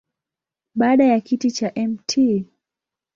Baada ya kiti cha Mt.